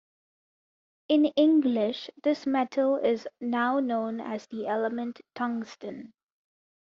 In English, this metal is now known as the element tungsten.